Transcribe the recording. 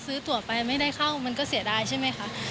ตัวไปไม่ได้เข้ามันก็เสียดายใช่ไหมคะ